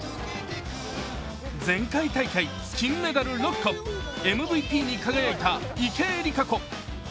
前回大会、金メダル６個、ＭＶＰに輝いた池江璃花子。